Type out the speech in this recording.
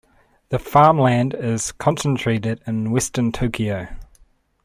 The farmland is concentrated in Western Tokyo.